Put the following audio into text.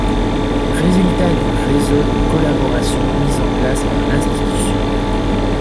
Résultat du réseau de collaboration mis en place par l'institution.